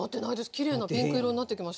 きれいなピンク色になってきました。